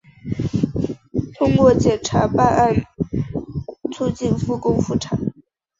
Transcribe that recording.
通过检察办案促进复工复产